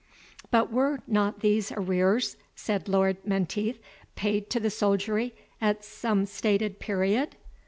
"But were not these arrears," said Lord Menteith, "paid to the soldiery at some stated period?"